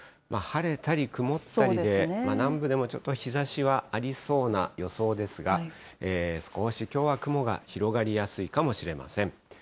晴れたり曇ったりで、南部でもちょっと日ざしはありそうな予想ですが、少しきょうは雲が広がりやすいかもしれません。